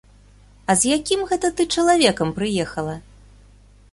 А з якім гэта ты чалавекам прыехала?